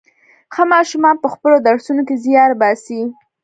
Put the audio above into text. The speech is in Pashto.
ښه ماشومان په خپلو درسونو کې زيار باسي.